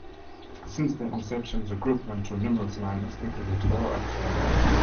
Since their inception, the group went through numerous lineups, including four ex-drummers.